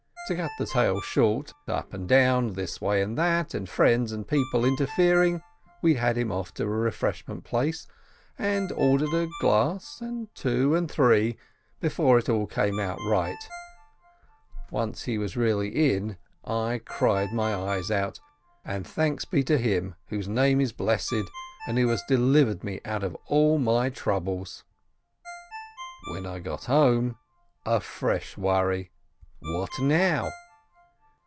To cut the tale short — up and down, this way and that way, and friends and people inter fering, we had him off to a refreshment place, and ordered a glass, and two, and three, before it all came right ! Once he was really in, I cried my eyes out, and thanks be to Him whose Name is blessed, and who has delivered me out of all my troubles ! When I got home, a fresh worry ! What now